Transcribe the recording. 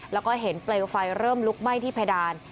แล้วก็เห็นเปลวไฟเริ่มลุกไหม้ที่เพดาน